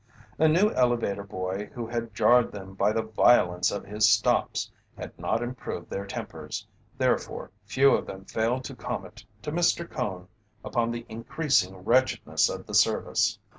A new elevator boy who had jarred them by the violence of his stops had not improved their tempers, therefore few of them failed to comment to Mr. Cone upon the increasing wretchedness of the service.